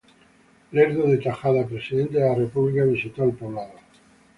Lerdo de Tejada, Presidente de la República, visitó al poblado.